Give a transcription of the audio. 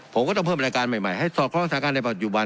ผมก็ต้องเพิ่มรายการใหม่ให้สอดคล้องสถานการณ์ในปัจจุบัน